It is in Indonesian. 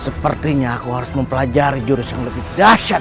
sepertinya aku harus mempelajari jurus yang lebih dahsyat